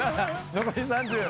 残り３０。